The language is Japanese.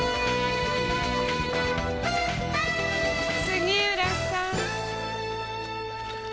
杉浦さん。